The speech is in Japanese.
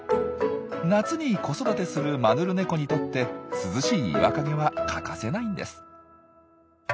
夏に子育てするマヌルネコにとって涼しい岩陰は欠かせないんです。